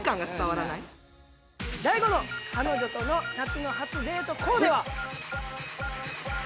大吾の彼女との夏の初デートコーデは。